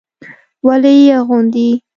ولې يې اغوندي.